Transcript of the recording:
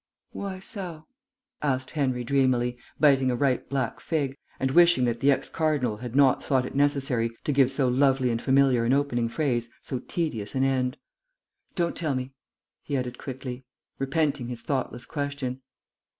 "Why so?" asked Henry dreamily, biting a ripe black fig, and wishing that the ex cardinal had not thought it necessary to give so lovely and familiar an opening phrase so tedious an end. "Don't tell me," he added quickly, repenting his thoughtless question.